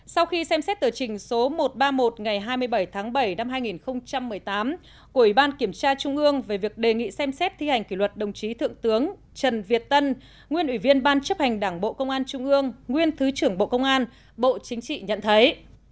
sau khi xem xét tờ trình số một trăm ba mươi một ngày hai mươi bảy tháng bảy năm hai nghìn một mươi tám của ủy ban kiểm tra trung ương về việc đề nghị xem xét thi hành kỷ luật đồng chí thượng tướng trần việt tân nguyên ủy viên ban chấp hành đảng bộ công an trung ương nguyên thứ trưởng bộ công an bộ chính trị nhận thấy